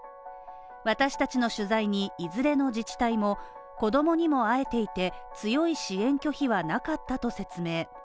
私たちの取材に、いずれの自治体も子供にも会えていて、強い支援拒否はなかったと説明。